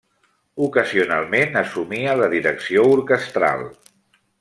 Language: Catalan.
Ocasionalment assumia la direcció orquestral.